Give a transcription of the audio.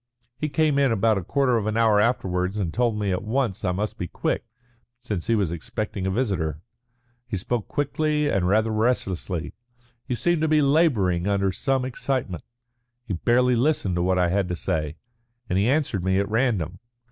He came in about a quarter of an hour afterwards and told me at once that I must be quick, since he was expecting a visitor. He spoke quickly and rather restlessly. He seemed to be labouring under some excitement. He barely listened to what I had to say, and he answered me at random.